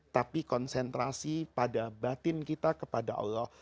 tapi konsentrasi pada batin kita kepada allah